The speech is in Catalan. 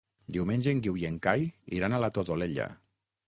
Diumenge en Guiu i en Cai iran a la Todolella.